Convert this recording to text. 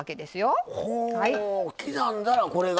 刻んだらこれが。